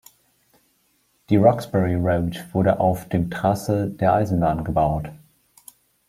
Die Roxbury Road wurde auf dem Trassee der Eisenbahn gebaut.